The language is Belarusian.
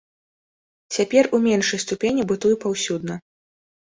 Цяпер у меншай ступені бытуе паўсюдна.